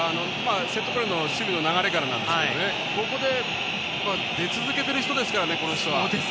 セットプレーの守備の流れからなんですがここで、出続けている人ですからこの人は。